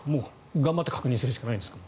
頑張って確認していくしかないですか？